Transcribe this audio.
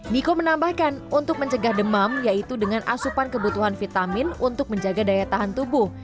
niko menambahkan untuk mencegah demam yaitu dengan asupan kebutuhan vitamin untuk menjaga daya tahan tubuh